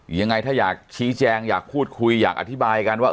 ยังไงถ้าอยากชี้แจงอยากพูดคุยอยากอธิบายกันว่า